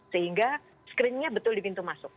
sehingga screennya betul di pintu masuk